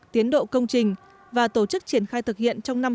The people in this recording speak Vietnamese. tiến độ công trình và tổ chức triển khai thực hiện trong năm hai nghìn một mươi chín